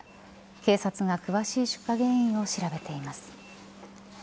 警察が詳しい出火原因を調べています。